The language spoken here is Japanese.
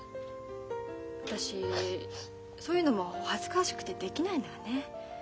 私そういうのも恥ずかしくてできないのよね。